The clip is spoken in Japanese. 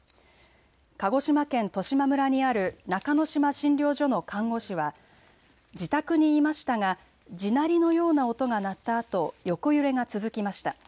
鹿児島県十島村にある中之島診療所の看護師は自宅にいましたが地鳴りのような音が鳴ったあと横揺れが続きました。